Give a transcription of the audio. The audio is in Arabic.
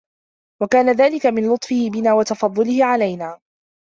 وَكَانَ ذَلِكَ مِنْ لُطْفِهِ بِنَا وَتَفَضُّلِهِ عَلَيْنَا